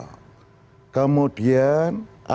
kemudian alam pikirnya sangat berbeda